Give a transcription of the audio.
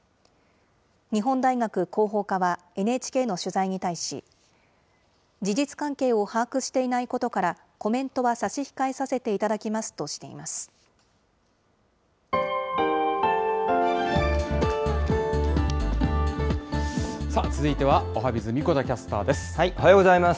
日本大学広報課はＮＨＫの取材に対し、事実関係を把握していないことから、コメントは差し控えさ続いてはおはＢｉｚ、おはようございます。